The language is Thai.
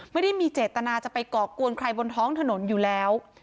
ไม่ได้มีเจตนาจะไปก่อกวนใครบนท้องถนนอยู่แล้ว